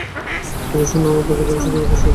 যদি ঈশ্বর নাও থাকেন, তবুও সাধুতাই শ্রেষ্ঠ লক্ষ্য।